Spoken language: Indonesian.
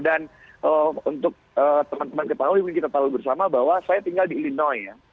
dan untuk teman teman kita tahu mungkin kita tahu bersama bahwa saya tinggal di illinois ya